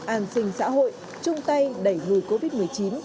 an sinh xã hội trung tây đẩy lùi covid một mươi chín